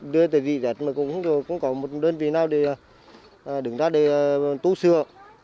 đưa tới vị đẹp mà cũng có một đơn vị nào để đứng ra để tố xưa